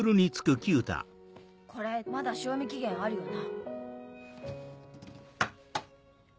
これまだ賞味期限あるよな。